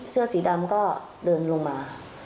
เสื้อสีดำก็เดินลงมา